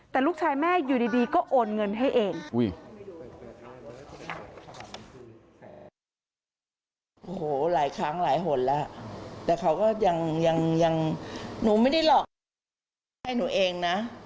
แต่ลูกชายแม่อยู่ดีก็โอนเงินให้เอง